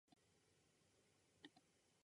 北海道岩内町